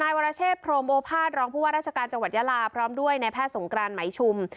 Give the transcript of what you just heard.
วรเชษพรมโอภาษรองผู้ว่าราชการจังหวัดยาลาพร้อมด้วยนายแพทย์สงกรานไหมชุม